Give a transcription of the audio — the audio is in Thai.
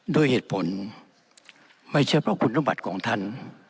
ด้วยเหตุผลไม่ใช่เพราะคุณสมบัติของท่าน